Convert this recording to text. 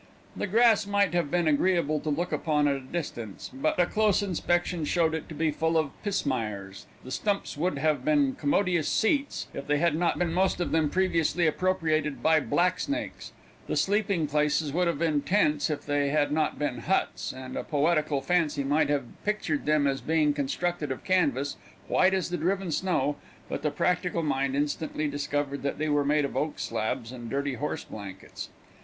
The grass might have been agreeable to look upon at a distance, but a close inspection showed it to be full of pismires; the stumps would have been commodious seats, if they had not been most of them previously appropriated by black snakes; the sleeping places would have been tents, if they had not been huts, and a poetical fancy might have pictured them as being constructed of canvas, white as the driven snow, but the practical mind instantly discovered that they were made of oak slabs and dirty horse blankets.